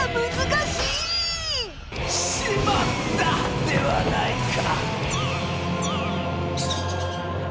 「しまった！」ではないか！